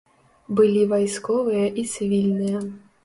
Былі вайсковыя і цывільныя.